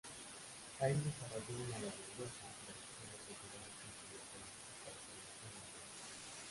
Allí desarrolló una laboriosa trayectoria cultural que incluyó proyectos para televisión y radio.